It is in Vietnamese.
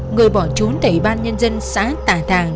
người bỏ trốn tại ủy ban nhân dân xã tà thàng